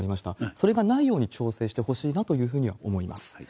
それがないように調整してほしいなというふうには思います。